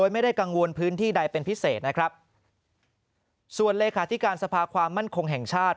ไม่ได้กังวลพื้นที่ใดเป็นพิเศษนะครับส่วนเลขาธิการสภาความมั่นคงแห่งชาติ